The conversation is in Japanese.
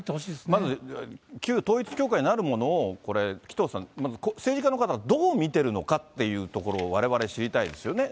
まず旧統一教会なるものを、紀藤さん、まず政治家の方がどう見てるのかっていうところを、われわれ知りたいですよね。